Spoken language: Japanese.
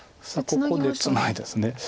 ここでツナいだんですね。